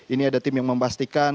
ini ada tim yang memastikan